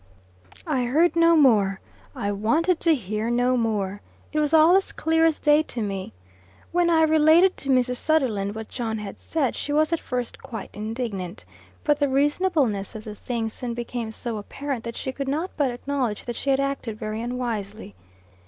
"I heard no more. I wanted to hear no more; it was all as clear as day to me. When I related to Mrs. Sunderland what John had said, she was, at first, quite indignant. But the reasonableness of the thing soon became so apparent that she could not but acknowledge that she had acted very unwisely.